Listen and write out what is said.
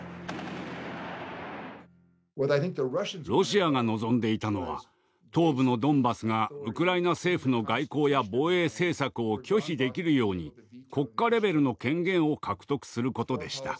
ロシアが望んでいたのは東部のドンバスがウクライナ政府の外交や防衛政策を拒否できるように国家レベルの権限を獲得することでした。